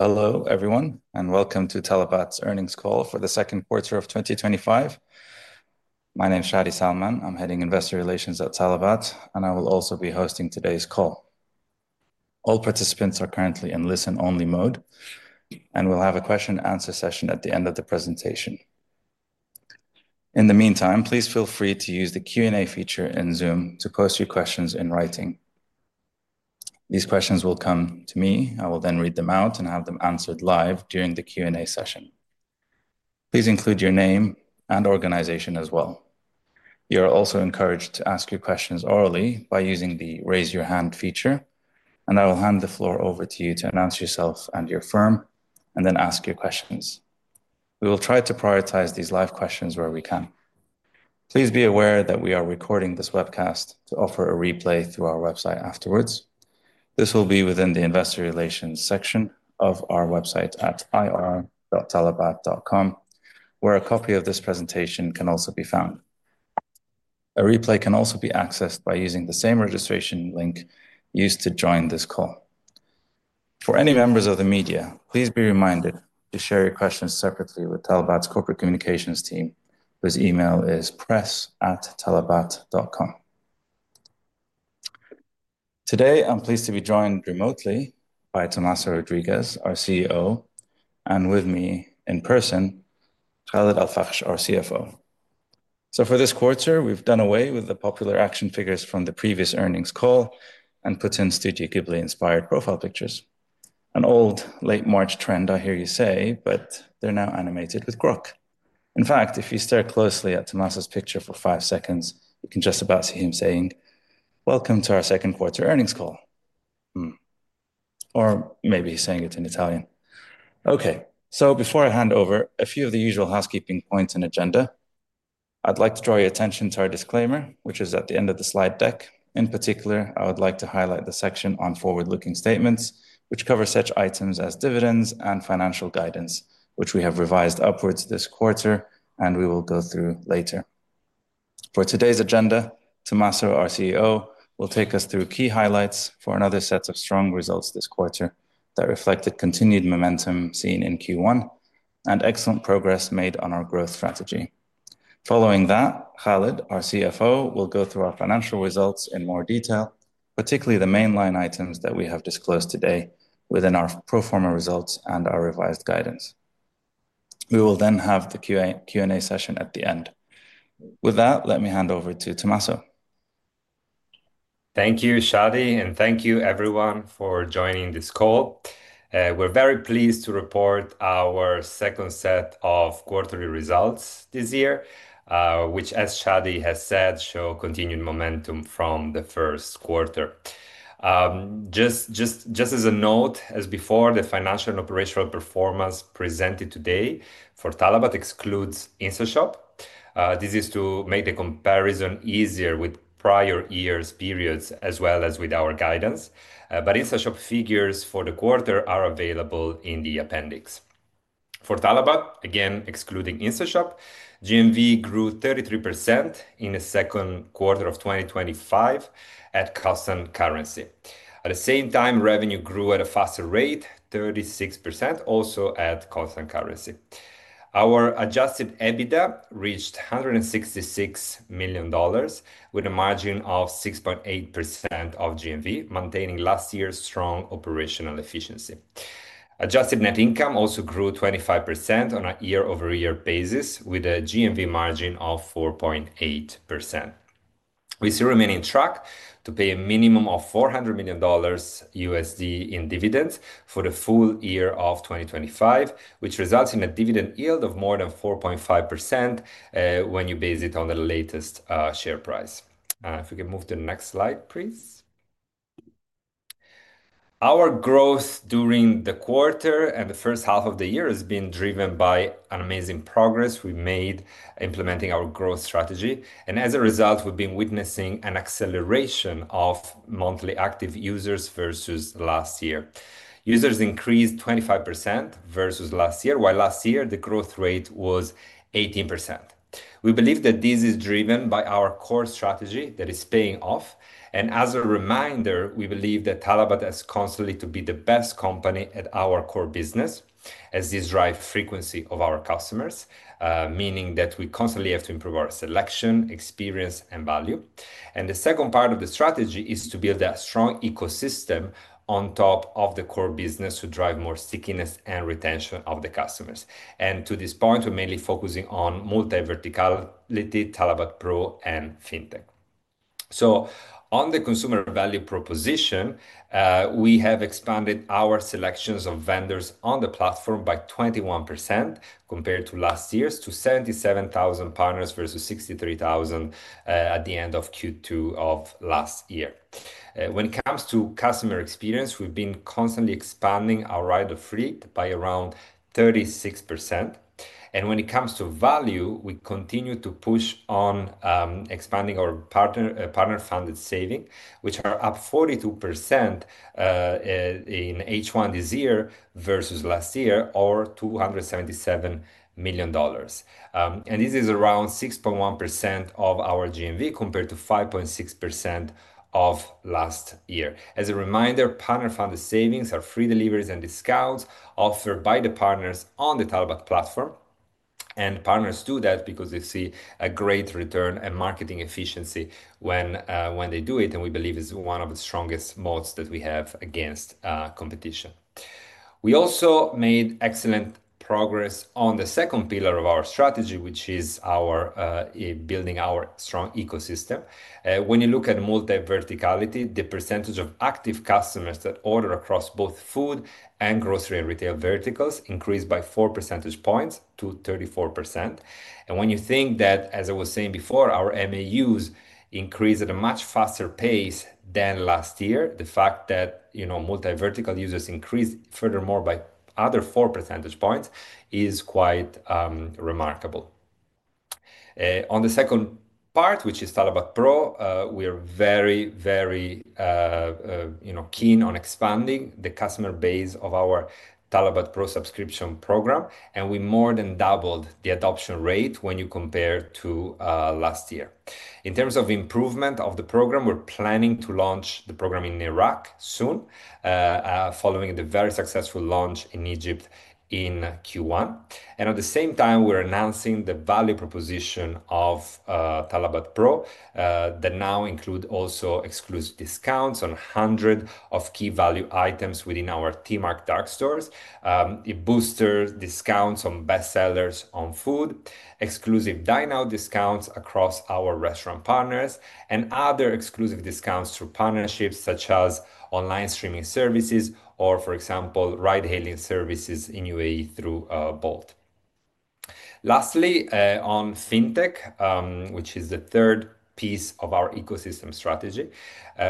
Hello everyone and welcome to talabat's earnings call for the second quarter of 2025. My name is Shadi Salman, I'm heading Investor Relations at talabat and I will also be hosting today's call. All participants are currently in listen only mode and we'll have a question and answer session at the end of the presentation. In the meantime, please feel free to use the Q and A feature in Zoom to post your questions in writing. These questions will come to me. I will then read them out and have them answered live during the Q and A session. Please include your name and organization as well. You are also encouraged to ask your questions orally by using the raise your hand feature and I will hand the floor over to you to announce yourself and your firm and then ask your questions. We will try to prioritize these live questions where we can. Please be aware that we are recording this webcast to offer a replay through our website afterwards. This will be within the Investor Relations section of our website at ir.talabat.com where a copy of this presentation can also be found. A replay can also be accessed by using the same registration link used to join this call. For any members of the media, please be reminded to share your questions separately with talabat's corporate communications team whose email is press@talabat.com. Today I'm pleased to be joined remotely by Tomaso Rodriguez, our CEO, and with me in person Khaled Al Fakesh, our CFO. For this quarter we've done away with the popular action figures from the previous earnings call and put in Studio Ghibli inspired profile pictures. An old late March trend I hear you say, but they're now animated with Grok. In fact, if you stare closely at Tomaso's picture for five seconds, you can just about see him saying welcome to our second quarter earnings call. Or maybe saying it in Italian. Before I hand over, a few of the usual housekeeping points and agenda. I'd like to draw your attention to our disclaimer which is at the end of the slide deck. In particular, I would like to highlight the section on forward looking statements which cover such items as dividends and financial guidance which we have revised upwards this quarter and we will go through later. For today's agenda, Tomaso, our CEO, will take us through key highlights for another set of strong results this quarter that reflected continued momentum seen in Q1 and excellent progress made on our growth strategy. Following that, Khaled, our CFO, will go through our financial results in more detail, particularly the main line items that we have disclosed today within our pro forma results and our revised guidance. We will then have the Q and A session at the end. With that, let me hand over to Tomaso. Thank you Shadi and thank you everyone for joining this call. We're very pleased to report our second set of quarterly results this year, which as Shadi has said, show continued momentum from the first quarter. Just as a note, as before, the financial performance presented today for talabat excludes InstaShop. This is to make the comparison easier with prior year's periods as well as with our guidance, but InstaShop figures for the quarter are available in the appendix for talabat, again excluding InstaShop. GMV grew 33% in the second quarter of 2025 at constant currency. At the same time, revenue grew at a faster rate, 36%, also at constant currency. Our adjusted EBITDA reached $166 million with a margin of 6.8% of GMV, maintaining last year's strong operational efficiency. Adjusted net income also grew 25% on a year-over-year basis with a GMV margin of 4.8%. We still remain on track to pay a minimum of $400 million in dividends for the full year of 2025, which results in a dividend yield of more than 4.5% when you base it on the latest share price. If we can move to the next slide please. Our growth during the quarter and the first half of the year has been driven by amazing progress we made implementing our growth strategy and as a result we've been witnessing an acceleration of monthly active users versus last year. Users increased 25% versus last year while last year the growth rate was 18%. We believe that this is driven by our core strategy that is paying off. As a reminder, we believe that talabat is constantly to be the best company at our core business as this drives frequency of our customers, meaning that we constantly have to improve our selection, experience, and value. The second part of the strategy is to build that strong ecosystem on top of the core business to drive more stickiness and retention of the customers. To this point we're mainly focusing on multi-vertical, talabat pro, and Fintech. On the consumer value proposition, we have expanded our selection of vendors on the platform by 21% compared to last year to 77,000 partners versus 63,000 at the end of Q2 of last year. When it comes to customer experience, we've been constantly expanding our rider fleet by around 36%. When it comes to value, we continue to push on expanding our partner-funded saving which are up 42% in H1 this year versus last year or $277 million. This is around 6.1% of our GMV compared to 5.6% of last year. As a reminder, partner-funded savings are free deliveries and discounts offered by the partners and on the talabat platform. Partners do that because they see a great return and marketing efficiency when they do it, and we believe it's one of the strongest moats that we have against competition. We also made excellent progress on the second pillar of our strategy, which is building our strong ecosystem. When you look at multi-verticality, the percentage of active customers that order across both food and grocery and retail verticals increased by 4 percentage points to 34%. When you think that, as I was saying before, our MAUs increase at a much faster pace than last year, the fact that, you know, multi-vertical users increased furthermore by another 4 percentage points is quite remarkable. On the second part, which is talabat pro, we are very, very, you know, keen on expanding the customer base of our talabat Pro subscription program, and we more than doubled the adoption rate when you comp to last year in terms of improvement of the program. We're planning to launch the program in Iraq soon following the very successful launch in Egypt in Q1. At the same time, we're announcing the value proposition of talabat Pro that now includes also exclusive discounts on hundreds of key value items within our TMART dark stores. It boosts discounts on bestsellers on food, exclusive dine-out discounts across our restaurant partners, and other exclusive discounts through partnerships such as online streaming services or, for example, ride-hailing services in UAE through Bolt. Lastly, on FinTech, which is the third piece of our ecosystem strategy,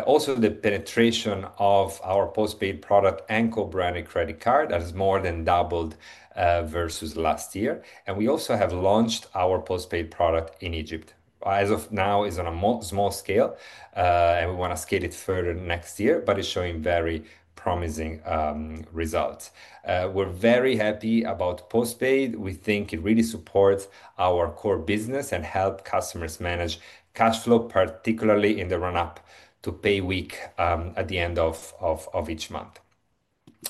also the penetration of our postpaid product Enko-branded credit card has more than doubled versus last year. We also have launched our postpaid product in Egypt; as of now, it is on a small scale, and we want to scale it further next year, but it's showing very promising results. We're very happy about postpaid. We think it really supports our core business and helps customers manage cash flow, particularly in the run-up to pay week at the end of each month.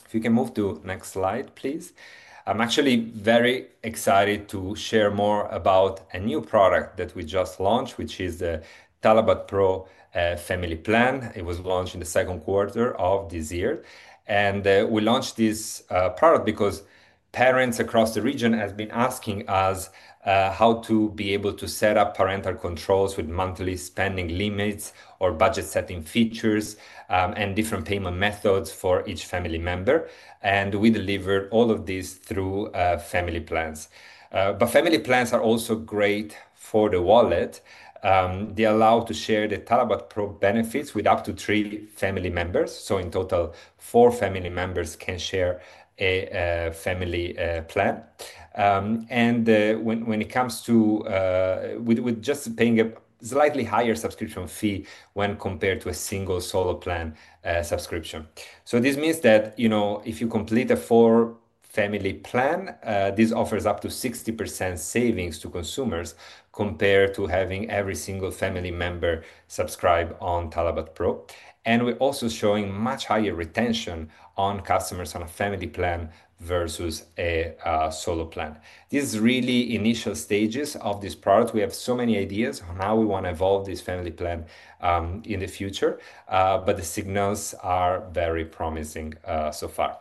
If you can move to the next slide, please. I'm actually very excited to share more about a new product that we just launched, which is the talabat pro Family Plan. It was launched in the second quarter of this year, and we launched this product because parents across the region have been asking us how to be able to set up parental controls with monthly spending limits or budget setting features and different payment methods for each family member, and we delivered all of this through Family Plan. Family Plan is also great for the wallet; they allow you to share the talabat Pro benefits with up to three family members. In total, four family members can share a Family Plan, with just paying a slightly higher subscription fee when compared to a single solo plan subscription. This means that if you complete a four family plan, this offers up to 60% savings to consumers compared to having every single family member subscribe on talabat pro. We're also showing much higher retention on customers on a Family Plan versus a solo plan. This is really the initial stages of this product. We have so many ideas on how we want to evolve this Family Plan in the future, but the signals are very promising so far.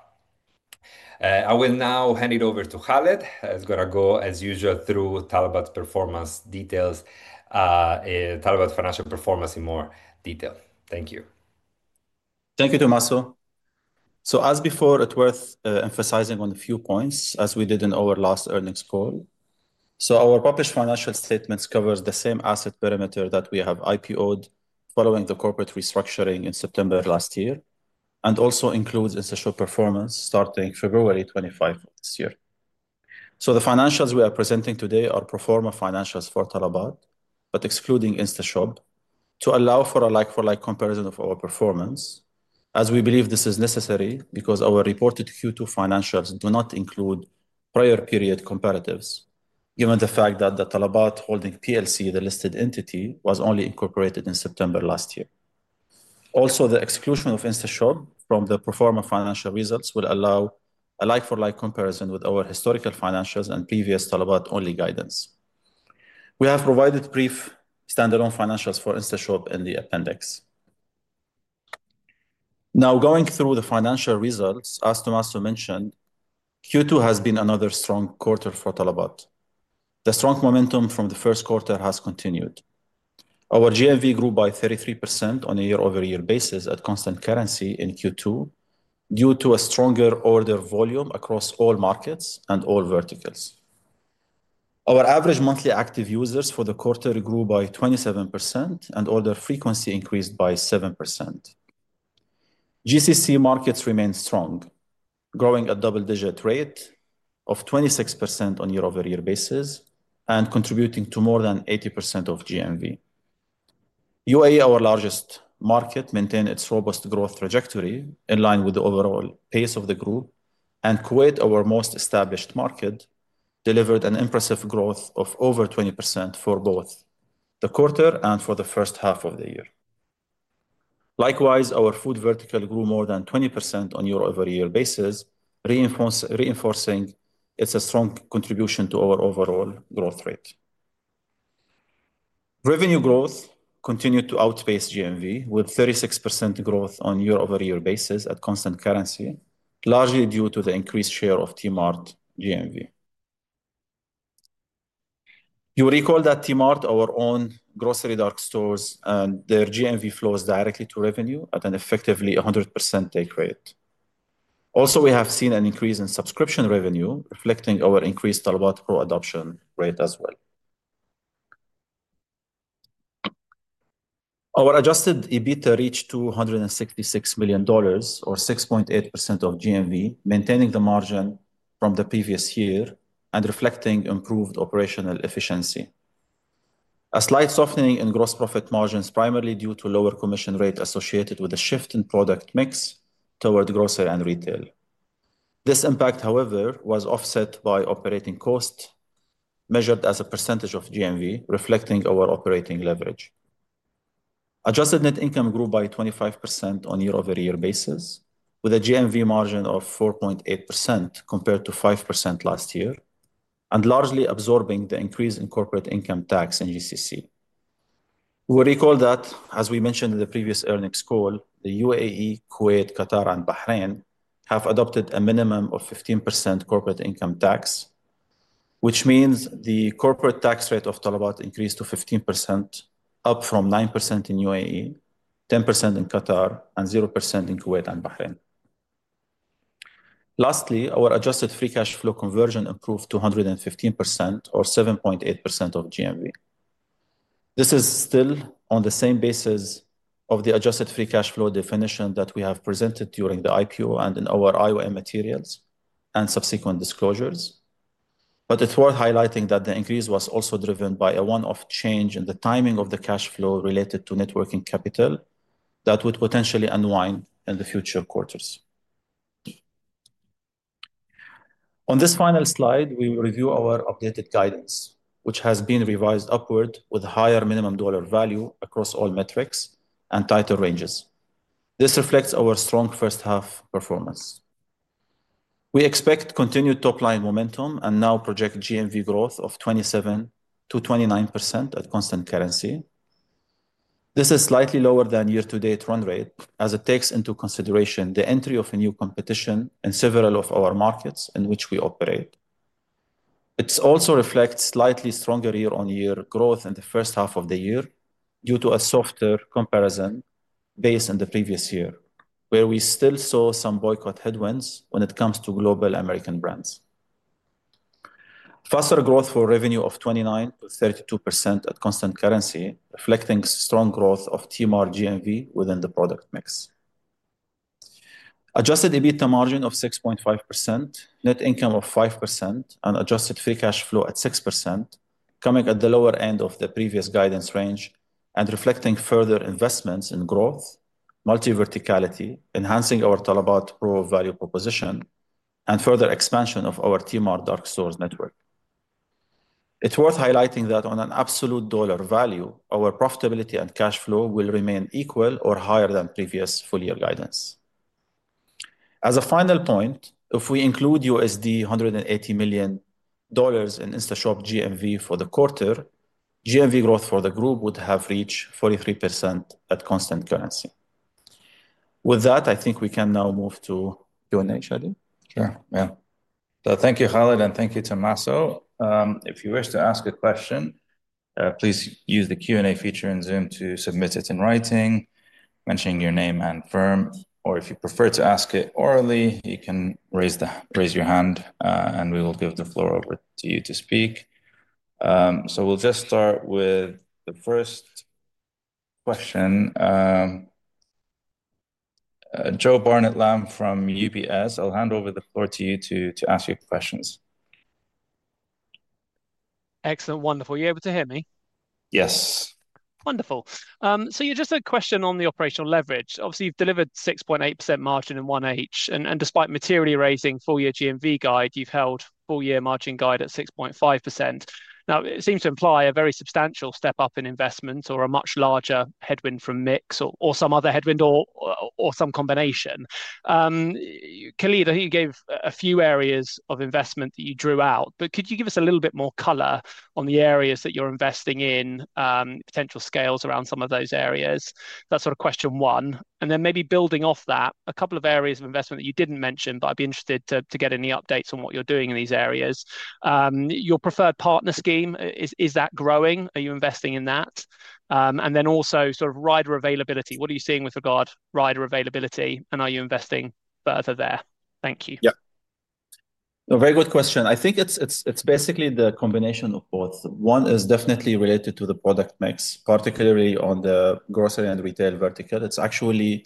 I will now hand it over to Khaled. He's going to go, as usual, through talabat's performance details, talabat's financial performance. Thank you, Tomaso. As before, it's worth emphasizing a few points as we did in our last earnings call. Our published financial statements cover the same asset perimeter that we IPO'd following the corporate restructuring in September last year and also include InstaShop performance starting February 25th this year. The financials we are presenting today are pro forma financials for talabat but excluding InstaShop to allow for a like-for-like comparison of our performance, as we believe this is necessary because our reported Q2 financials do not include prior period comparatives given the fact that talabat Holding Plc, the listed entity, was only incorporated in September last year. The exclusion of InstaShop from the pro forma financial results will allow a like-for-like comparison with our historical financials and previous talabat-only guidance. We have provided brief standalone financials for InstaShop in the appendix. Now, going through the financial results. As Tomaso mentioned, Q2 has been another strong quarter for talabat. The strong momentum from the first quarter has continued. Our GMV grew by 33% on a year-over-year basis at constant currency in Q2 due to a stronger order volume across all markets and all verticals. Our average monthly active users for the quarter grew by 27% and order frequency increased by 7%. GCC markets remain strong, growing at a double-digit rate of 26% on a year-over-year basis and contributing to more than 80% of GMV. UAE, our largest market, maintained its robust growth trajectory in line with the overall pace of the group, and Kuwait, our most established market, delivered an impressive growth of over 20% for both the quarter and for the first half of the year. Likewise, our food vertical grew more than 20% on a year-over-year basis, reinforcing its strong contribution to our overall growth rate. Revenue growth continued to outpace GMV with 36% growth on a year-over-year basis at constant currency, largely due to the increased share of TMART GMV. You recall that TMART, our own grocery dark stores, and their GMV flows directly to revenue at an effectively 100% take rate. We have also seen an increase in subscription revenue reflecting our increased talabat pro adoption rate as well. Our adjusted EBITDA reached $266 million or 6.8% of GMV, maintaining the margin from the previous year and reflecting improved operational efficiency. A slight softening in gross profit margins primarily due to lower commission rate associated with a shift in product mix toward grocery and retail. This impact, however, was offset by operating cost measured as a percentage of GMV, reflecting our operating leverage. Adjusted net income grew by 25% on year-over-year basis with a GMV margin of 4.8% compared to 5% last year and largely absorbing the increase in corporate income tax in GCC. We recall that as we mentioned in the previous earnings call, the UAE, Kuwait, Qatar, and Bahrain have adopted a minimum of 15% corporate income tax, which means the corporate tax rate of Talabat increased to 15%, up from 9% in UAE, 10% in Qatar, and 0% in Kuwait and Bahrain. Lastly, our adjusted free cash flow conversion improved 215% or 7.8% of GMV. This is still on the same basis of the adjusted free cash flow definition that we have presented during the IPO and in our IOM materials and subsequent disclosures. It's worth highlighting that the increase was also driven by a one-off change in the timing of the cash flow related to net working capital that would potentially unwind in the future quarters. On this final slide, we review our updated guidance, which has been revised upward with higher minimum dollar value across all metrics and tighter ranges. This reflects our strong first half performance. We expect continued top line momentum and now project GMV growth of 27%-29% at constant currency. This is slightly lower than year to date run rate as it takes into consideration the entry of a new competition in several of our markets in which we operate. It also reflects slightly stronger year on year growth in the first half of the year due to a softer comparison base in the previous year where we still saw some boycott headwinds when it comes to global American brands. Faster growth for revenue of 29% to 32% at constant currency reflecting strong growth of TMART GMV within the product mix. Adjusted EBITDA margin of 6.5%, net income of 5%, and adjusted free cash flow at 6% coming at the lower end of the previous guidance range and reflecting further investments in growth, multi-verticality, enhancing our talabat pro value proposition, and further expansion of our TMART dark stores network. It's worth highlighting that on an absolute dollar value, our profitability and cash flow will remain equal or higher than previous full year guidance. As a final point, if we include $180 million in InstaShop GMV for the quarter, GMV growth for the group would have reached 43% at constant currency. With that, I think we can now move to Q&A, I think. Thank you, Khaled, and thank you, Tomaso. If you wish to ask a question, please use the Q&A feature in Zoom to submit it in writing, mentioning your name and firm. If you prefer to ask it orally, you can raise your hand and we will give the floor over to you to speak. We'll start with the first question. Joe Barnet-Lamb from UBS, I'll hand over the floor to you to ask your questions. Excellent. Wonderful. You're able to hear me. Yes. Wonderful. Just a question on the operational leverage. Obviously you've delivered 6.8% margin in 1H, and despite materially raising full year GMV guide, you've held full year margin guide at 6.5%. It seems to imply a very substantial step up in investment or a much larger headwind from mix or some other headwind or some combination. Khaled, I think you gave a few areas of investment that you drew out, but could you give us a little bit more color on the areas that you're investing in? Potential scale around some of those areas? That's sort of question one, and then maybe building off that, a couple of areas of investment that you didn't mention, but I'd be interested to get any updates on what you're doing in these areas. Your preferred partner scheme, is that growing? Are you investing in that? Also, sort of rider availability, what are you seeing with regard to rider availability and are you investing further there? Thank you. Yeah, very good question. I think it's basically the combination of both. One is definitely related to the product mix, particularly on the grocery and retail version ticket. It's actually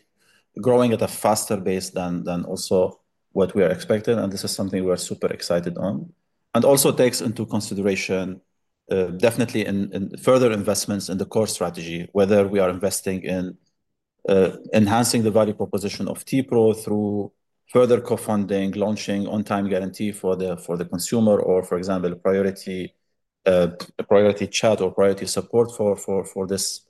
growing at a faster pace than also what we are expecting and this is something we are super excited on and also takes into consideration definitely further investments in the core strategy. Whether we are investing in enhancing the value proposition of t-pro through further co-funding, launching on time guarantee for the consumer, or for example, priority chat or priority support for this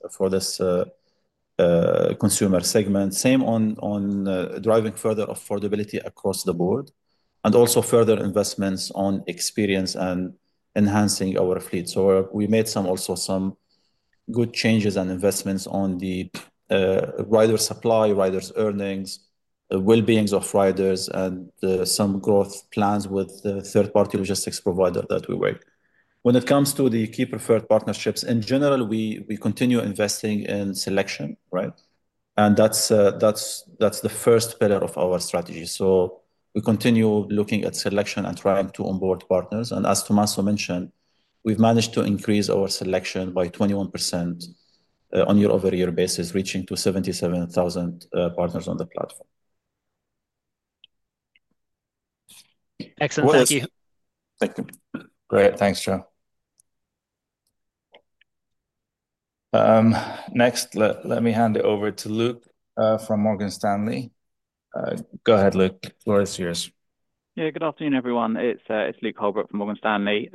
consumer segment. Same on driving further affordability across the board and also further investments on experience and enhancing our fleet. We made some good changes and investments on the rider supply, riders' earnings, well-being of riders, and some growth plans with third party logistics providers that we waive when it comes to the key preferred partnerships. In general, we continue investing in selection. Right. That's the first pillar of our strategy. We continue looking at selection and trying to onboard partners, and as Tomaso mentioned, we've managed to increase our selection by 21% on a year-over-year basis, reaching 77,000 partners on the platform. Excellent. Thank you. Thank you. Great. Thanks, Joe. Next, let me hand it over to Luke from Morgan Stanley. Go ahead, Luke. Floor's yours. Yeah. Good afternoon everyone. It's Luke Holbrook from Morgan Stanley.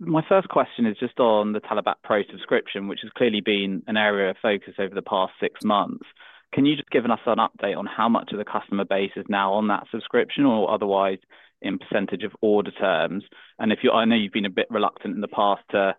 My first question is just on the talabat pro subscription which has clearly been an area of focus over the past six months, can you just give us an update on how much of the customer base is now on that subscription or otherwise in percent of order terms? If you I know you've been a bit reluctant in the past to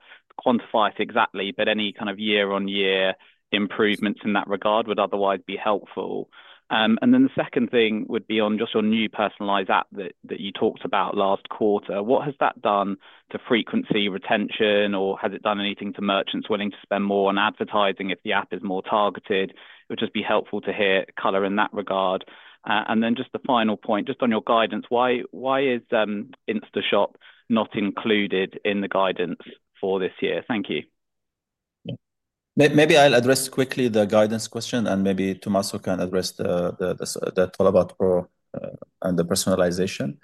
quantify it exactly. Any kind of year on year improvements in that regard would otherwise be helpful. The second thing would be on just your new personalized app that you talked about last quarter, what has that done to frequency retention or has it done anything to merchants willing to spend more on advertising? If the app is more targeted, it would just be helpful to hear color in that regard. The final point, just on your guidance, why is InstaShop not included in the guidance for this year? Thank you. Maybe I'll address quickly the guidance question and maybe Tomaso can address the talabat pro and the personalization.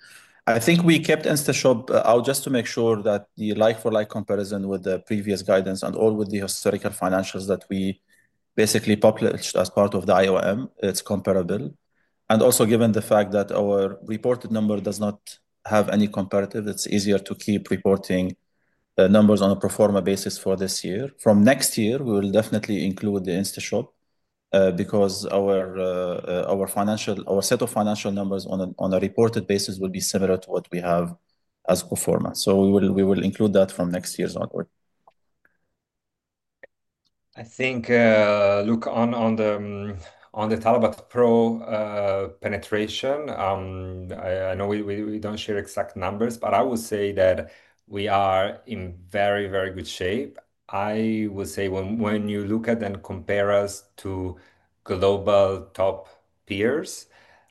I think we kept InstaShop out just to make sure that the like-for-like comparison with the previous guidance and all with the historical financials that we basically published as part of the IOM, it's comparable. Also, given the fact that our reported number does not have any comparative, it's easier to keep reporting numbers on a pro forma basis for this year. From next year we will definitely include the institution because our set of financial numbers on a reported basis will be similar to what we have as pro forma. We will include that from next year onward. I think, look, on the talabat pro penetration, I know we don't share exact numbers, but I would say that we are in very, very good shape. I would say when you look at and compare us to global top peers,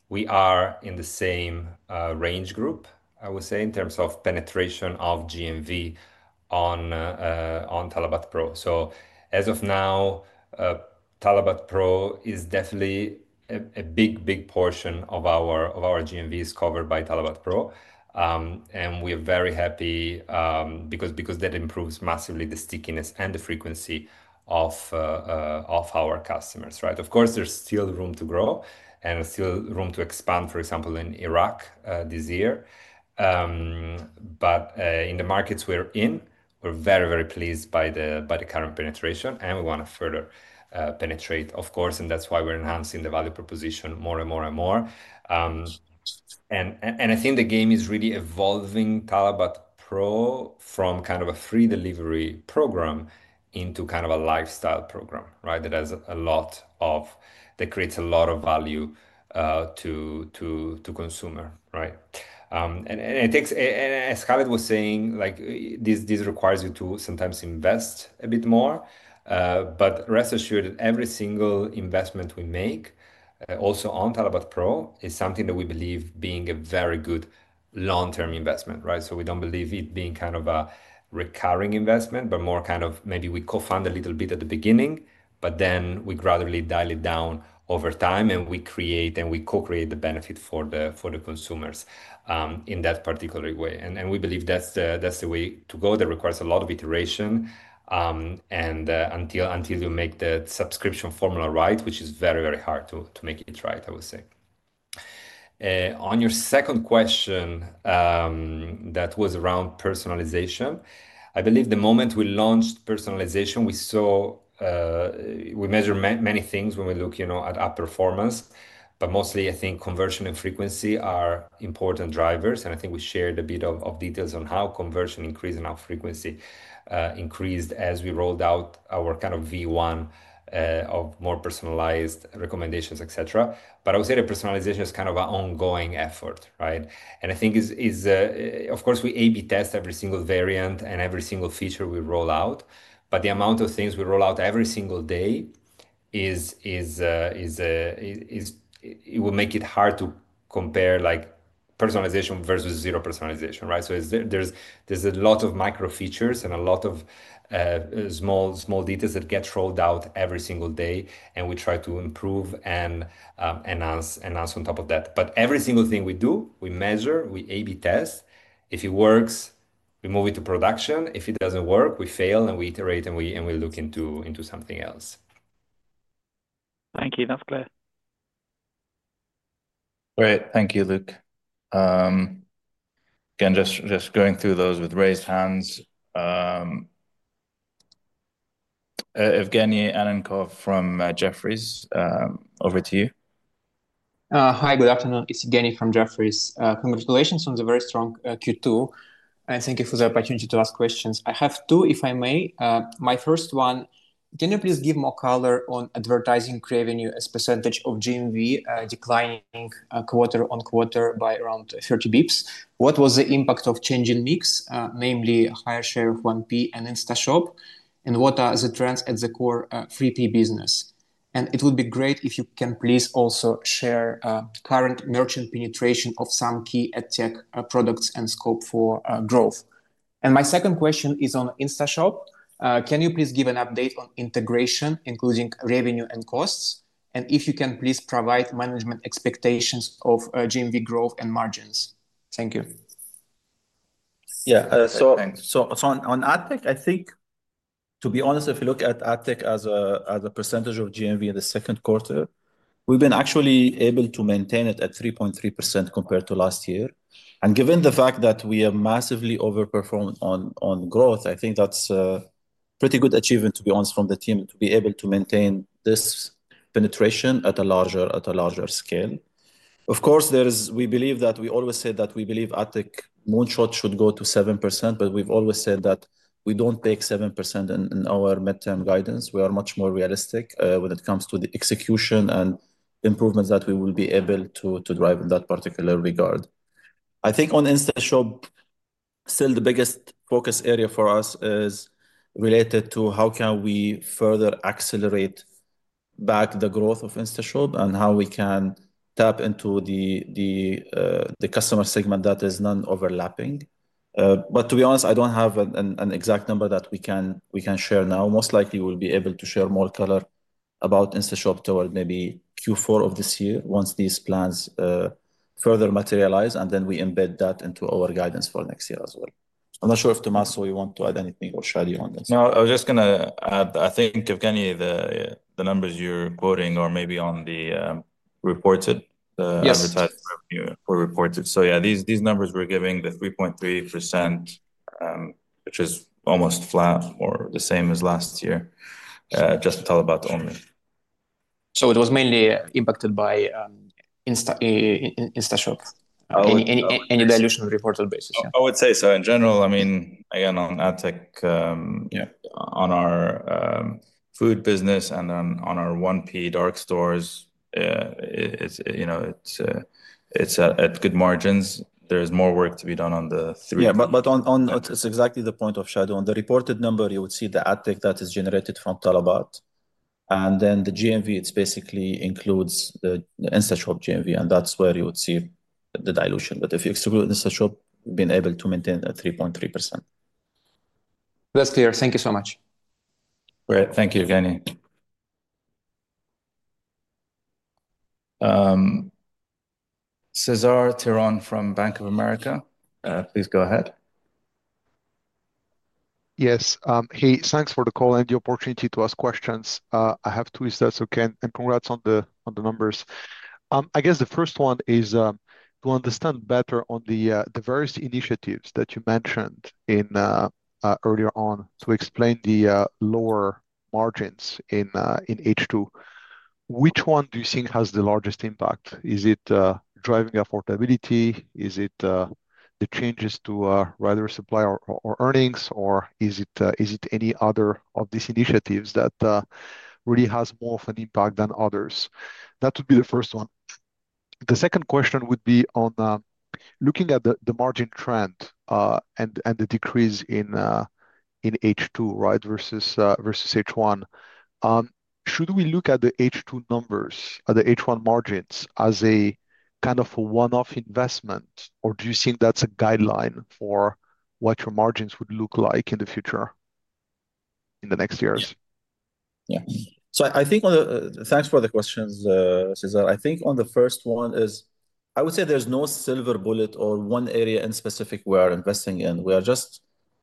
we are in the same range group, I would say, in terms of penetration of GMV on talabat pro. As of now, talabat pro is definitely a big, big portion of our GMV, is covered by talabat pro, and we are very happy because that improves massively the stickiness and the frequency of our customers. Of course, there's still room to grow and still room to expand, for example, in Iraq this year. In the markets we're in, we're very, very pleased by the current penetration, and we want to further penetrate, of course, and that's why we're enhancing the value proposition more and more and more. I think the game is really evolving talabat pro from kind of a free delivery program into kind of a lifestyle program that creates a lot of value to consumer, and it takes, as Khaled was saying, this requires you to sometimes invest a bit more. Rest assured that every single investment we make also on talabat pro is something that we believe being a very good long-term investment. We don't believe it being kind of a recurring investment, but more kind of maybe we co-fund a little bit at the beginning, but then we gradually dial it down over time, and we create and we co-create the benefit for the consumers in that particular way, and we believe that's the way to go. That requires a lot of iteration until you make that subscription formula, which is very, very hard to make it. On your second question that was around personalization, I believe the moment we launched personalization, we saw, we measure many things when we look at app performance, but mostly I think conversion and frequency are important drivers, and I think we shared a bit of details on how conversion increased and app frequency increased as we rolled out our kind of V1 of more personalized recommendations, et cetera. I would say the personalization is kind of an ongoing effort. I think, of course, we A/B test every single variant and every single feature we roll out, but the amount of things we roll out every single day, it will make it hard to compare, like, personalization versus zero personalization. There are a lot of micro features and a lot of small details that get rolled out every single day, and we try to improve and announce on top of that. Every single thing we do, we measure, we A/B test. If it works, we move it to production. If it doesn't work, we fail, we iterate, and we look into something else. Thank you. That's clear. Great. Thank you, Luke. Again, just going through those with raised hands. Evgeny Ankov from Jefferies, over to you. Hi, good afternoon, it's Danny from Jefferies. Congratulations on the very strong Q2 and thank you for the opportunity to ask questions. I have two if I may. My first one, can you please give more color on advertising revenue as percentage of GMV declining quarter on quarter by around 30 bps. What was the impact of changing mix. Namely, higher share of 1P and InstaShop. What are the trends at the core free-to-business? It would be great if you can please also share current merchant penetration of some key ad tech products and scope for growth. My second question is on InstaShop. Can you please give an update on integration, including revenue and costs, and if you can, please provide management expectations of GMV growth and margins. Thank you. Yeah, so on ad tech, I think to be honest, if you look at ad tech as a percentage of GMV in the second quarter, we've been actually able to maintain it at 3.3% compared to last year. Given the fact that we have massively overperformed on growth, I think that's a pretty good achievement, to be honest, from the team to be able to maintain this penetration at a larger scale. Of course, we believe that. We always said that we believe ad tech moonshot should go to 7%, but we've always said that we don't take 7% in our midterm guidance. We are much more realistic when it comes to the execution and improvements that we will be able to drive. In that particular regard, I think on InstaShop still the biggest focus area for us is related to how can we further accelerate back the growth of InstaShop and how we can tap into the customer segment that is non-overlapping. To be honest, I don't have an exact number that we can share now. Most likely we'll be able to share more color about InstaShop toward maybe Q4 of this year once these plans further materialize and then we embed that into our guidance for next year as well. I'm not sure if Tomaso, you want to add anything or Shadi on this? I was just going to add I think the numbers you're quoting are maybe on the reported advertised revenue were reported. These numbers we're giving, the 3.3%, which is almost flat or the same as last year, just to talabat only. It was mainly impacted by InstaShop. Any dilution reported basis? I would say so in general, I mean again on ad tech, on our food business and on our 1P dark stores, it's at good margins. There's more work to be done on the three. Yeah, on it's exactly the point of Shadi. On the reported number you would see the ad tech that is generated from talabat and then the GMV basically includes the InstaShop GMV, and that's where you would see the dilution. If you exclude InstaShop, we've been able to maintain a 3.3%, that's clear. Thank you so much. Great. Thank you, Danny. Cesar Tiron from Bank of America, please go ahead. Yes. Hey, thanks for the call and the opportunity to ask questions. I have twisted. Congratulations on the numbers. I guess the first one is to understand better on the various initiatives that you mentioned earlier to explain the lower margins in H2. Which one do you think has the largest impact? Is it driving affordability? Is it the changes to rider supply or earnings, or is it any other of these initiatives that really has more of an impact than others? That would be the first one. The second question would be on looking at the margin trend and the decrease in H2 versus H1. Should we look at the H2 numbers, the H1 margins as a kind of a one-off investment, or do you think that's a guideline for what your margins would look like in the future in the next years? Yeah, so I think. Thanks for the questions Cesar. I think on the first one is I would say there's no silver bullet or one area in specific we are investing in. We are just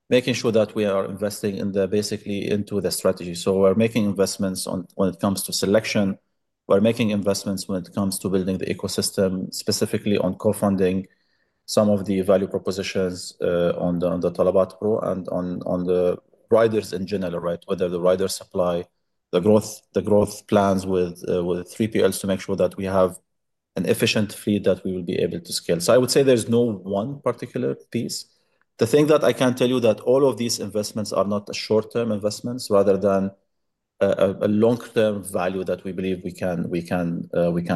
making sure that we are investing basically into the strategy. We're making investments when it comes to selection. We're making investments when it comes to building the ecosystem, specifically on co-funding some of the value propositions on the talabat pro and on the riders in general. Right. Whether the rider supply, the growth, the growth plans with 3PLs to make sure that we have an efficient fleet that we will be able to scale. I would say there's no one particular piece. The thing that I can tell you is that all of these investments are not short-term investments rather than a long-term value that we believe we can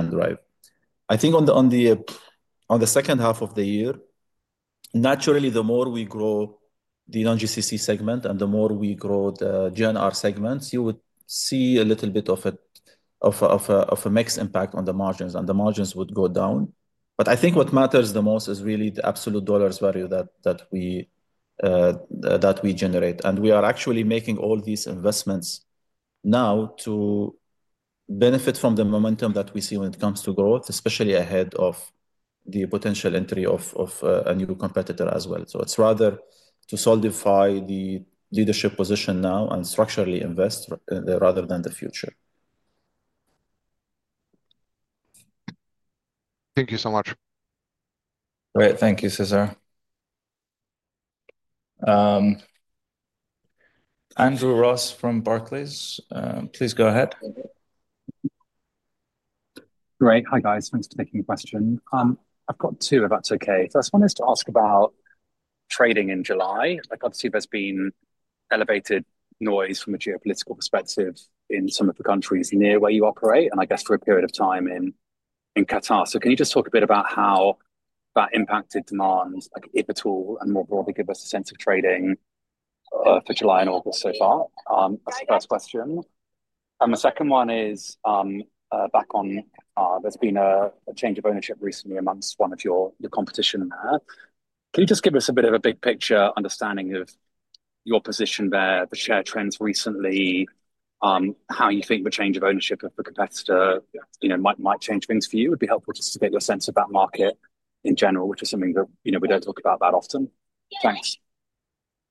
drive. I think on the second half of the year, naturally the more we grow the non-GCC segment and the more we grow the GNR segments, you would see a little bit of a mixed impact on the margins and the margins would go down. I think what matters the most is really the absolute dollars value that we generate and we are actually making all these investments now to benefit from the momentum that we see when it comes to growth, especially ahead of the potential entry of a new competitor as well. It is rather to solidify the leadership position now and structurally invest rather than the future. Thank you so much. Great. Thank you, Cesar. Andrew Ross from Barclays, please go ahead. Great. Hi guys, thanks for taking a question. I've got two. First one is to ask about trading in July. Obviously, there's been elevated noise from a geopolitical perspective in some of the countries near where you operate, and I guess for a period of time in Qatar. Can you just talk a bit about how that impacted demand, if at all, and more broadly give us a sense of trading for July and August so far? That's the first question. The second one is back on, there's been a change of ownership recently amongst one of your competition there. Can you just give us a bit of a big picture understanding of your position there, the share trends recently, how you think the change of ownership of the competitor might change things for you? It would be helpful just to get your sense of that market in general, which is something that we don't talk about that often. Thanks.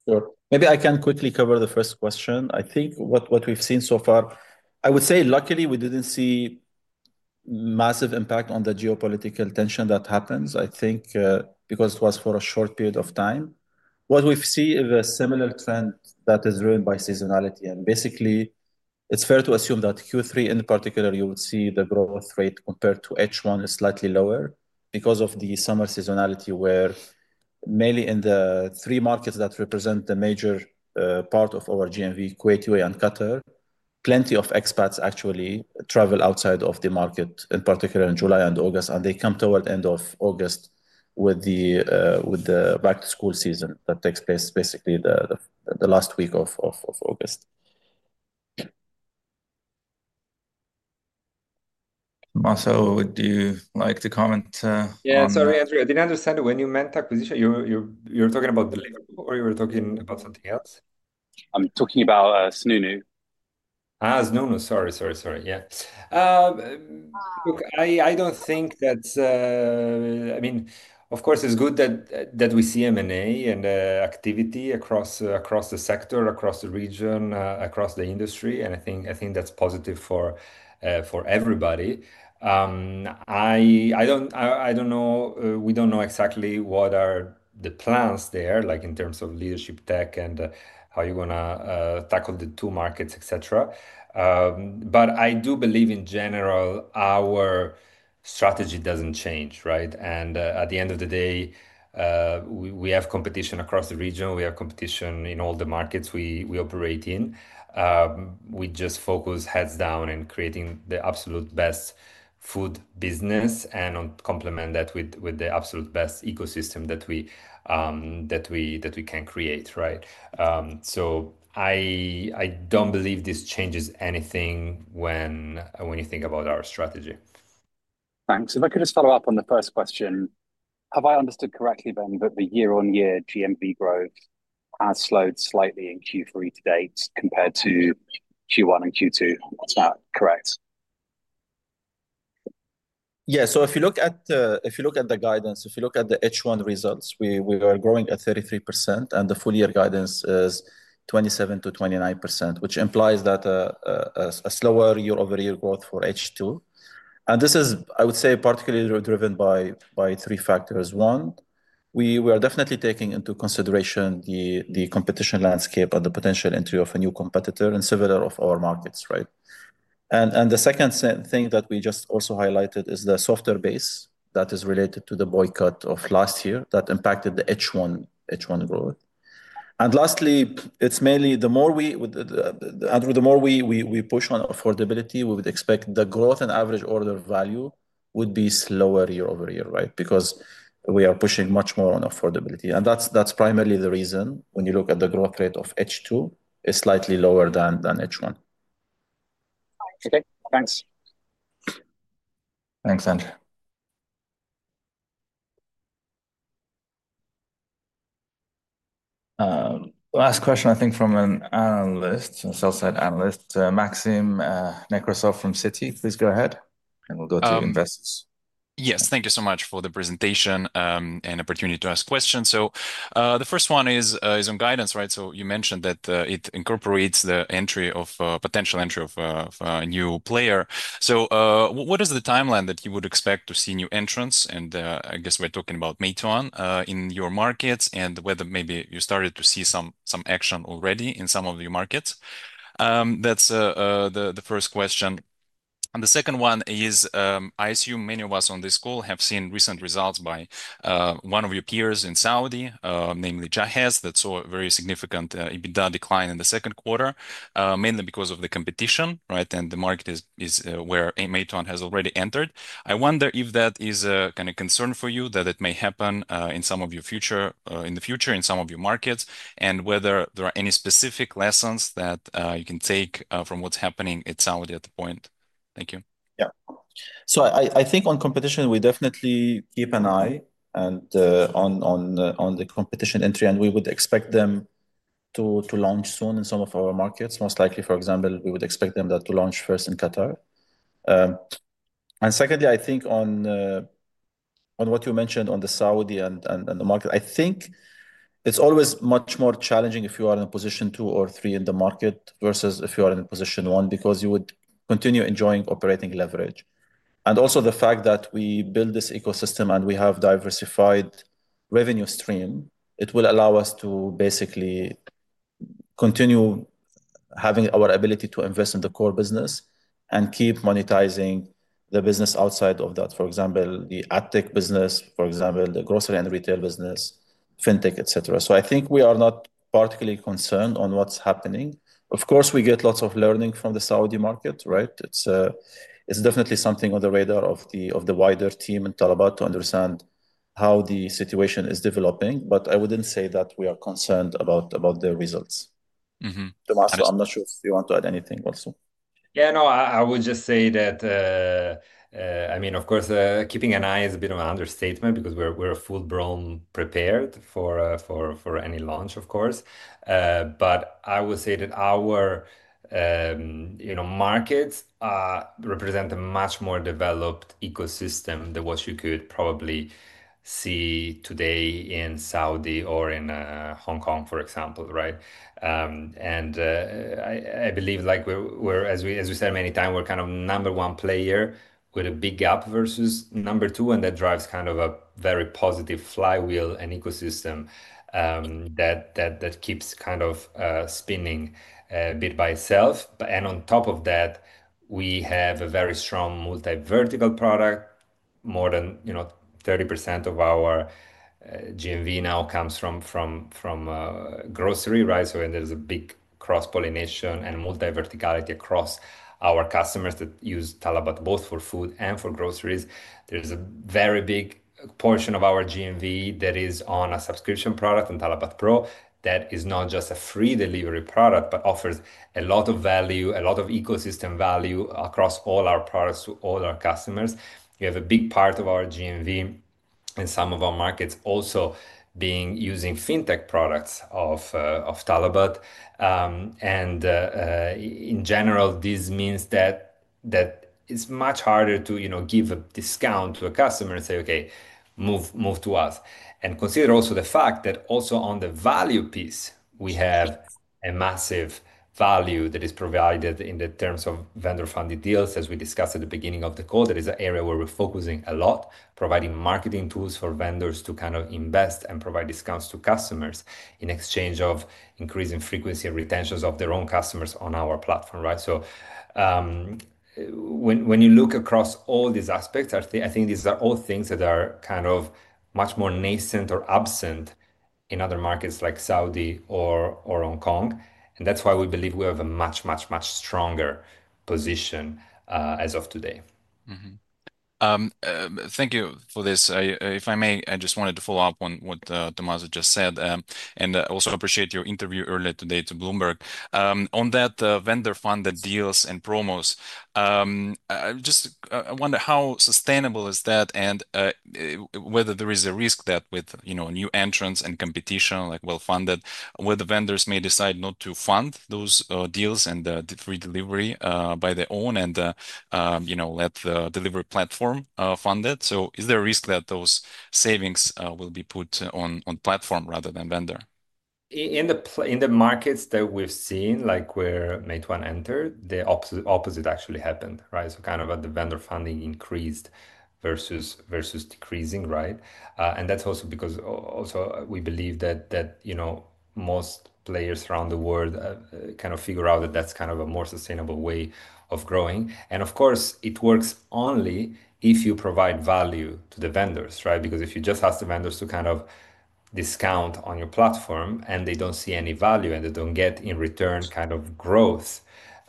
Sure. Maybe I can quickly cover the first question. I think what we've seen so far, I would say luckily we didn't see massive impact on the geopolitical tension. That happens I think because it was for a short period of time. What we've seen is a similar trend that is ruined by seasonality and basically it's fair to assume that Q3 in particular you would see the growth rate compared to H1 is slightly lower because of the summer seasonality where mainly in the 3 markets that represent the major part of our GMV, Kuwait, UAE and Qatar, plenty of expats actually travel outside of the market in particular in July and August and they come toward end of August with the back to school season that takes place basically the last week of August. Tomaso, would you like to comment? Sorry, Andrew, I didn't understand when you meant acquisition. You're talking about, or you were talking about something else? I'm talking about Snoonu. Yeah. Look, I don't think that, I mean of course it's good that we see M&A activity across the sector, across the region, across the industry and I think that's positive for everybody. I don't know, we don't know exactly what are the plans there like in terms of leadership, tech, and how you want to tackle the two markets, et cetera. I do believe in general our strategy doesn't change. Right. At the end of the day we have competition across the region, we have competition in all the markets we operate in. We just focus heads down and creating the absolute best food business and complement that with the absolute best ecosystem that we can create. Right. I don't believe this changes anything when you think about our strategy. Thanks. If I could just follow up on the first question. Have I understood correctly then that the year on year TM growth has slowed slightly in Q3 to date compared to Q1 and Q2? It's not correct. If you look at the guidance, if you look at the H1 results, we were growing at 33% and the full year guidance is 27%-29%, which implies that a slower year over year growth for H2. This is, I would say, particularly driven by three factors. One, we were definitely taking into consideration the competition landscape and the potential entry of a new competitor in several of our markets. The second thing that we just also highlighted is the softer base that is related to the boycott of last year that impacted the H1 growth. Lastly, it's mainly the more we push on affordability, we would expect the growth in average order value would be slower year over year because we are pushing much more on affordability. That's primarily the reason when you look at the growth rate of H2, it is slightly lower than H1. Okay, thanks. Thanks, Andrew. Last question, I think from an analyst, sell-side analyst, Maxim Nekrasov from Citi. Please go ahead and we'll go to investors. Yes, thank you so much for the presentation and opportunity to ask questions. The first one is on guidance. Right. You mentioned that it incorporates the entry or potential entry of a new player. What is the timeline that you would expect to see new entrants? I guess we're talking about Meituan in your markets and whether maybe you started to see some action already in some of the markets. That's the first question. The second one is, I assume many of us on this call have seen recent results by one of your peers in Saudi, namely Jahez, that saw a very significant EBITDA decline in the second quarter mainly because of the competition and the markets where Meituan has already entered. I wonder if that is a concern for you, that it may happen in the future in some of your markets and whether there are any specific lessons that you can take from what's happening. Somebody at the point. Thank you. I think on competition we definitely keep an eye on the competition entry and we would expect them to launch soon in some of our markets. Most likely, for example, we would expect them to launch first in Qatar. I think on what you mentioned on the Saudi and the market, it's always much more challenging if you are in position two or three in the market versus if you are in position one because you would continue enjoying operating leverage. Also, the fact that we build this ecosystem and we have diversified revenue stream, it will allow us to basically continue having our ability to invest in the core business and keep monetizing the business outside of that, for example, the ad tech business, for example, the grocery and retail business, fintech, et cetera. I think we are not particularly concerned on what's happening. Of course, we get lots of learning from the Saudi market. It's definitely something on the radar of the wider team in talabat to understand how the situation is developing. I wouldn't say that we are concerned about the results. Tomaso, I'm not sure if you want to add anything also. Yeah, no, I would just say that, I mean of course keeping an eye is a bit of an understatement because we're full blown prepared for any launch of course. I would say that our, you know, markets represent a much more developed ecosystem than what you could probably see today in Saudi or in Hong Kong for example. Right. I believe like as we said many times, we're kind of number one player with a big gap versus number two and that drives kind of a very positive flywheel and ecosystem that keeps kind of spinning by itself. On top of that we have a very strong multi-vertical product. More than 30% of our GMV now comes from grocery. Right. There's a big cross-pollination and multi-verticality across our customers that use talabat, both for food and for groceries. There's a very big portion of our GMV that is on a subscription product on talabat pro that is not just a free delivery product, but offers a lot of value, a lot of ecosystem value across all our products, all our customers. We have a big part of our GMV in some of our markets also being using fintech products of talabat. In general this means that it's much harder to give a discount to a customer and say, okay, move to us. Consider also the fact that also on the value piece we have a massive value that is provided in the terms of vendor-funded deals. As we discussed at the beginning of the call, that is an area where we're focusing a lot, providing marketing tools for vendors to kind of invest and provide discounts to customers in exchange for increasing frequency and retention of their own customers on our platform. Right. When you look across all these aspects, actually I think these are all things that are kind of much more nascent or absent in other markets like Saudi or Hong Kong. That's why we believe we have a much, much, much stronger position as of today. Thank you for this. If I may, I just wanted to follow up on what Tomaso just said and also appreciate your interview earlier today to Bloomberg on that vendor-funded deals and promos. I wonder how sustainable is that and whether there is a risk that with, you know, new entrants and competition like well-funded, where the vendors may decide not to fund those deals and free delivery by their own and, you know, let the delivery platform fund it. Is there a risk that those savings will be put on platform rather than vendor? In the markets that we've seen, like where Meituan entered, the opposite actually happened. Vendor funding increased versus decreasing. That's also because we believe that most players around the world figure out that that's a more sustainable way of growing. Of course, it works only if you provide value to the vendors. If you just ask the vendors to discount on your platform and they don't see any value and they don't get in return growth,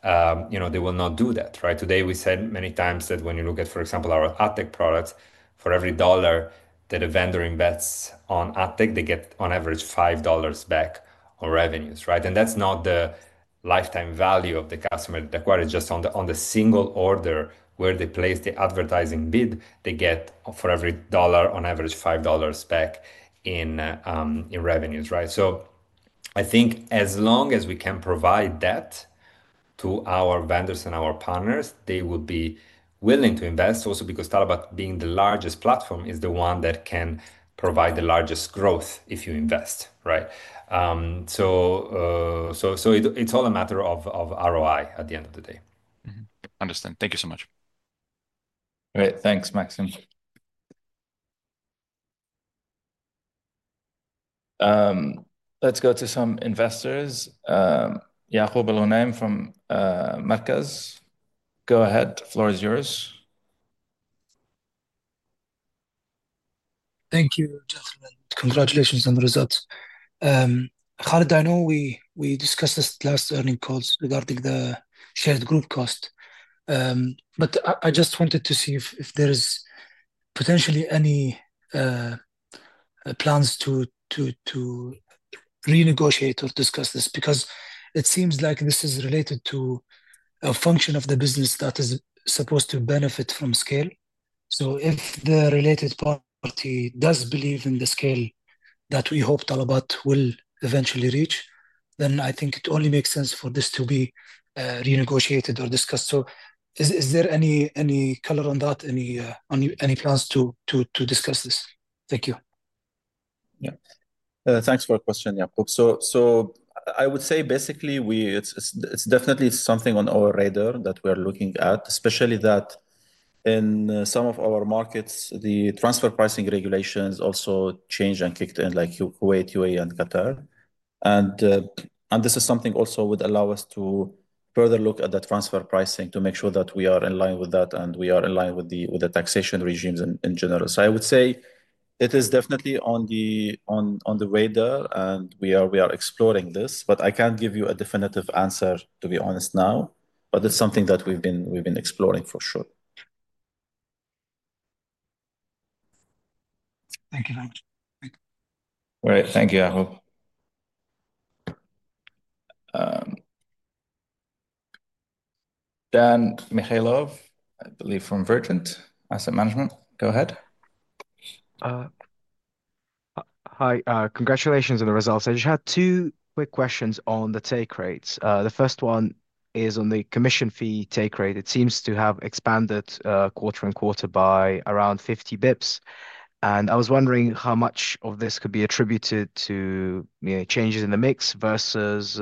they will not do that. Today we said many times that when you look at, for example, our ad tech products, for every dollar that a vendor invests on ad tech, they get on average $5 back on revenues. That's not the lifetime value of the customer acquired, just on the single order where they place the advertising bid they get for every dollar on average, $5 back in revenues. I think as long as we can provide that to our vendors and our partners, they would be willing to invest also because talabat, being the largest platform, is the one that can provide the largest growth if you invest. It's all a matter of ROI at the end of the day. Thank you so much. Great, thanks. Maxim, let's go to some investors. [Yahweh Alonem] from [Maccas], go ahead. The floor is yours. Thank you. Congratulations on results. Khaled, I know we discussed this last earnings call regarding the shared group cost. I just wanted to see if there's potentially any plans to renegotiate or discuss this is because it seems like this is related to a function of the business that is supposed to benefit from scale. If the related party does believe in the scale that we hope talabat will eventually reach, I think it only makes sense for this to be renegotiated or discussed. Is there any color on that? Any plans to discuss this? Thank you. Thanks for the question. I would say basically it's definitely something on our radar that we are looking at, especially that in some of our markets the transfer pricing regulations also changed and kicked in like UAE and Qatar. This is something that would also allow us to further look at the transfer pricing to make sure that we are in line with that and we are in line with the taxation regimes in general. I would say it is definitely on the way there and we are exploring this. I can't give you a definitive answer, to be honest now. It's something that we've been exploring for sure. Thank you. Great, thank you. I hope. Dan Mikhaylov, I believe from Vergent Asset Management. Go ahead. Hi. Congratulations on the results. I just had two quick questions on the take rates. The first one is on the commission fee take rate, it seems to have expanded quarter on quarter by around 50 bps. I was wondering how much of this could be attributed to changes in the mix versus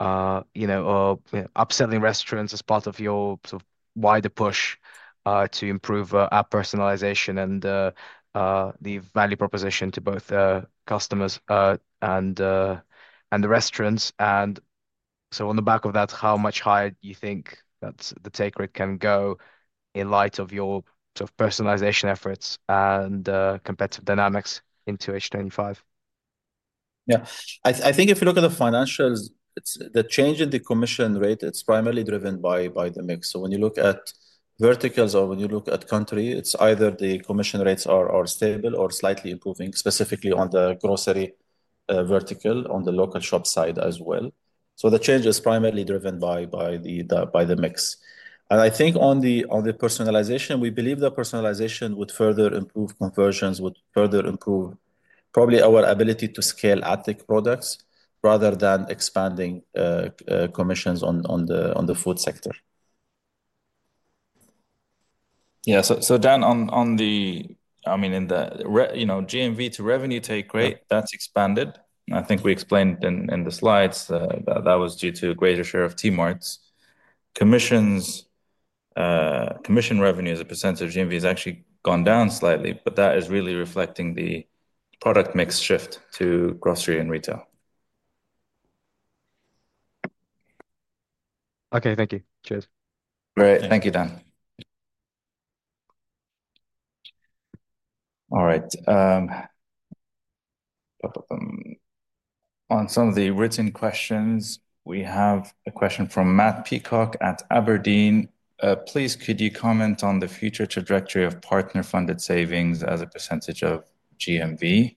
upselling restaurants as part of your wider push to improve app personalization and the value proposition to both customers and the restaurants. On the back of that, how much higher do you think that the take rate can go in light of your personalization efforts and competitive dynamics into H2 2025? I think if you look at the financials, the change in the commission rate is primarily driven by the mix. When you look at verticals or when you look at country, either the commission rates are stable or slightly improving, specifically on the grocery vertical on the local shop side as well. The change is primarily driven by the mix. I think on the personalization, we believe the personalization would further improve conversions, would further improve probably our ability to scale ad tech products rather than expanding commissions on the food sector. Yeah. Dan, on the GMV to revenue take rate, that's expanded. I think we explained in the slides that was due to a greater share of TMART commissions. Commission revenue as a percentage of GMV has actually gone down slightly, but that is really reflecting the product mix shift to grocery and retail. Okay, thank you. Cheers. Great. Thank you, Dan. All right. On some of the written questions, we have a question from Matt Peacock at Aberdeen. Please could you comment on the future trajectory of partner-funded savings as a percentage of GMV?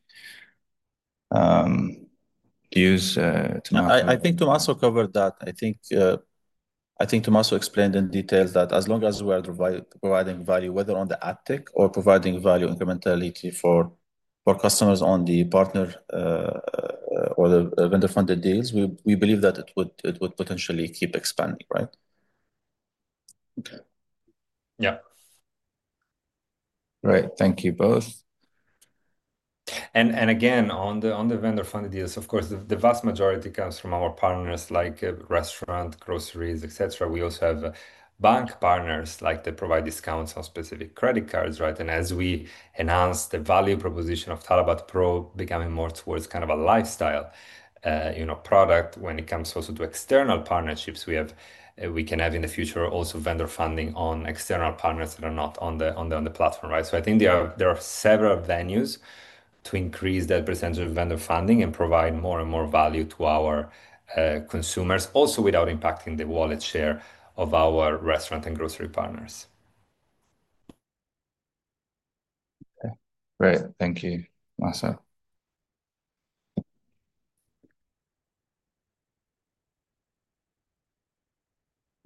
I think Tomaso covered that. I think Tomaso explained in detail that as long as we are providing value, whether on the uptick or providing value incrementality for customers on the partner or the vendor-funded deals, we believe that it would potentially keep expanding. Right. Yeah. Right, thank you both. On the vendor-funded deals, of course the vast majority comes from our partners like restaurant, groceries, et cetera. We also have bank partners that provide discounts on specific credit cards. As we announce the value proposition of talabat pro becoming more towards kind of a lifestyle product, when it comes also to external partnerships, we can have in the future also vendor funding on external partners that are not on the platform. I think there are several venues to increase that percentage of vendor funding and provide more and more value to our consumers also without impacting the wallet share of our restaurant and grocery partners. Great, thank you Tomaso.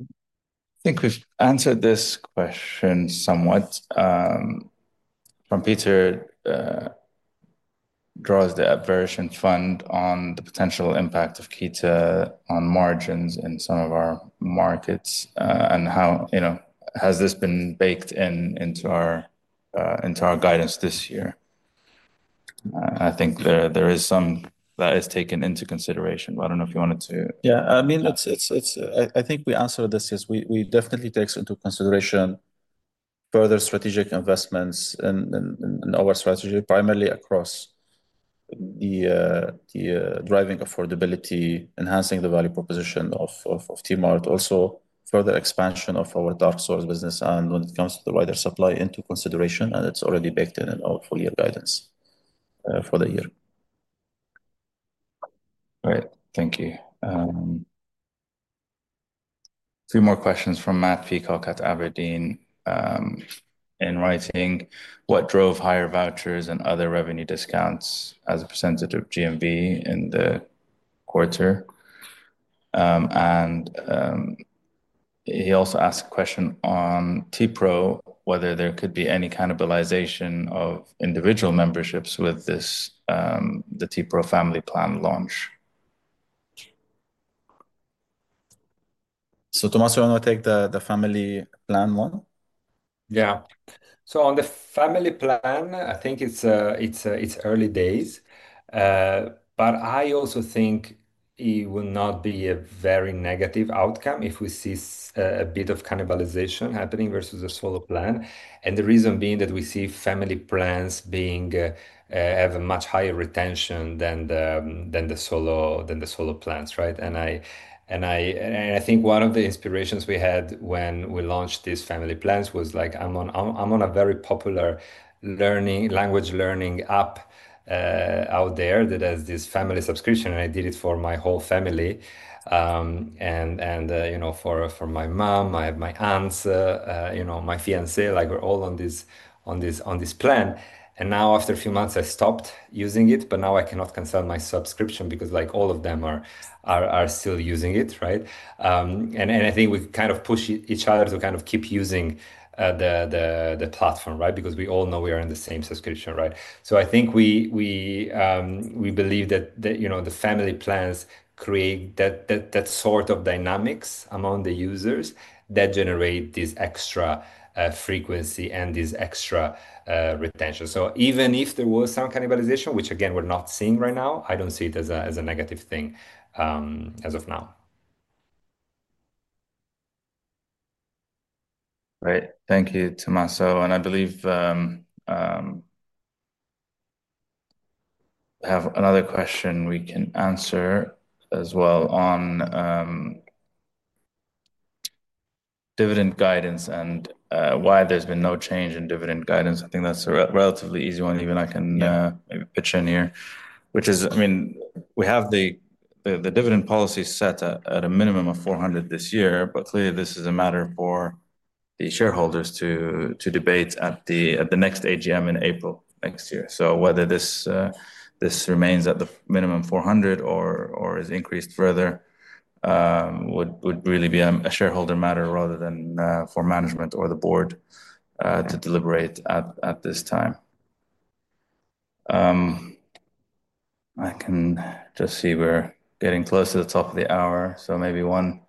I think we've answered this question somewhat from Peter, draws the average in fund on the potential impact of Keeta on margins in some of our markets. How, you know, has this been baked in into our guidance this year? I think there is some that is taken into consideration. I don't know if you wanted to. Yeah, I mean I think we answered this. Yes, we definitely take into consideration further strategic investments in our strategy, primarily across driving affordability, enhancing the value proposition of TMART, also further expansion of our topsource business when it comes to the wider supply into consideration. It's already baked in our full year guidance for the year. All right, thank you. Three more questions from Matt Peacock at Aberdeen. In writing, what drove higher vouchers and other revenue discounts as a percentage of GMV in the quarter? He also asked a question on talabat pro whether there could be any cannibalization of individual memberships with this, the t-pro Family Plan launch. Tomaso, you want to take the Family Plan one? Yeah. On the Family Plan, I think it's early days, but I also think it will not be a very negative outcome if we see a bit of cannibalization happening versus a solo plan. The reason being that we see Family Plans have a much higher retention than the solo plans. I think one of the inspirations we had when we launched these Family Plans was like, I'm on a very popular language learning app out there that has this family subscription and I did it for my whole family and for my mom, my aunts, my fiance. We're all on this plan. After a few months, I stopped using it, but now I cannot cancel my subscription because all of them are still using it. I think we kind of push each other to keep using the platform because we all know we are in the same subscription. I think we believe that the Family Plans create that sort of dynamics among the users that generate this extra frequency and this extra retention. Even if there was some cannibalization, which again, we're not seeing right now, I don't see it as a negative thing as of now. Great, thank you. Tomaso and I believe have another question we can answer as well on dividend guidance and why there's been no change in dividend guidance. I think that's a relatively easy one. Even I can maybe pitch in here, which is, I mean, we have the dividend policy set at a minimum of $400 this year, but clearly this is a matter for the shareholders to debate at the next AGM in April next year. Whether this remains at the minimum $400 or is increased further would really be a shareholder matter rather than for management or the board to deliberate at this time. I can just see we're getting close to the top of the hour, so maybe one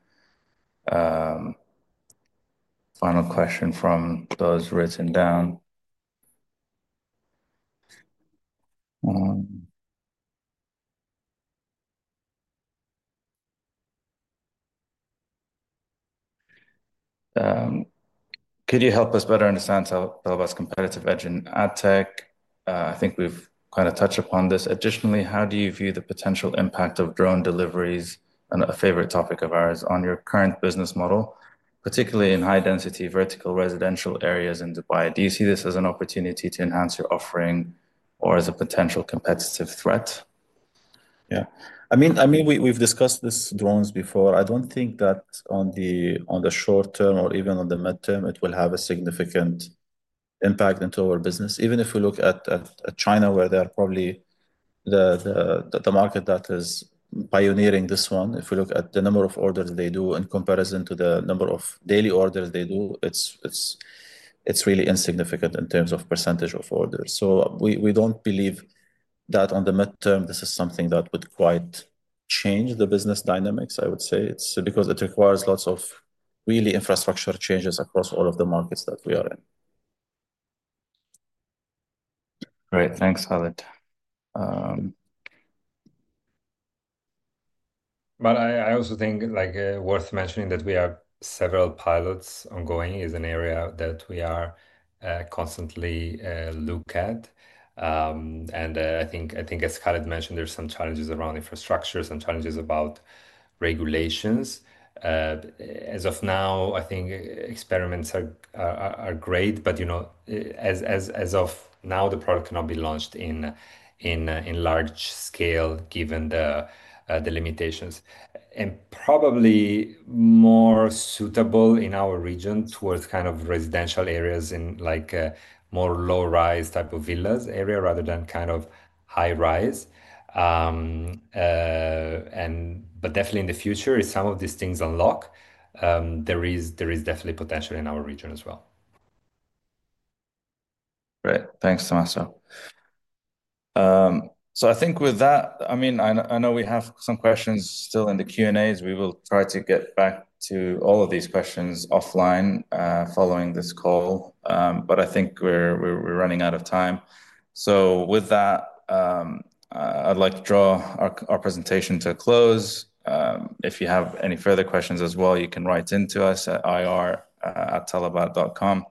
final question from those written down. Could you help us better understand talabat's competitive edge in ad tech? I think we've kind of touched upon this. Additionally, how do you view the potential impact of drone delivery, and a favorite topic of ours, on your current business model, particularly in high density vertical residential areas in Dubai? Do you see this as an opportunity to enhance your offering or as a potential competitive threat? Yeah, we've discussed this drones before. I don't think that in the short term or even in the midterm, it will have a significant impact into our business. Even if we look at China, where they're probably the market that is pioneering this one, if we look at the number of orders they do in comparison to the number of daily orders they do, it's really insignificant in terms of percentage of orders. We don't believe that in the midterm this is something that would quite change the business dynamics, I would say, because it requires lots of really infrastructure changes across all of the markets that we are in. Great, thanks Khaled. I also think it's worth mentioning that we have several pilots ongoing. This is an area that we are constantly looking at, and I think as Khaled mentioned, there are some challenges around infrastructure and some challenges about regulations. As of now, I think experiments are great, but as of now the product cannot be launched at large scale given the limitations and probably is more suitable in our region towards residential areas in more low-rise type of villas area rather than high-rise. Definitely in the future, if some of these things unlock, there is definitely potential in our region as well. Great, thanks to Tomaso. I think with that, I know we have some questions still in the Q&As. We will try to get back to all of these questions offline following this call, but I think we're running out of time. With that, I'd like to draw our presentation to a close. If you have any further questions as well, you can write into us at ir:talabat.com.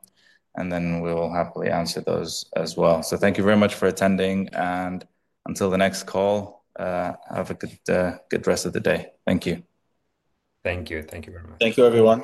We will happily answer those as well. Thank you very much for attending and until the next call, have a good, good rest of the day. Thank you. Thank you, thank you very much. Thank you, everyone.